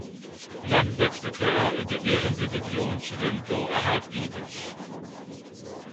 Dann wechselte er in die Ehrendivision zu den Go Ahead Eagles.